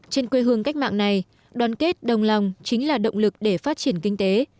trên quê hương cách mạng này đoàn kết đồng lòng chính là động lực để phát triển kinh tế